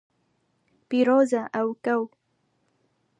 Pîroz e ew kew.